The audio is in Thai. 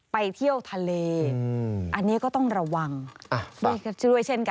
ไปเที่ยวทะเลอันนี้ก็ต้องระวังด้วยเช่นกัน